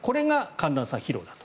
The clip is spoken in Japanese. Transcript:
寒暖差疲労です